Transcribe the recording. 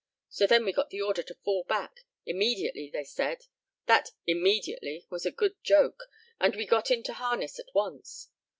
So then we got the order to fall back immediately, they said. That 'immediately' was a good joke, and we got into harness at once.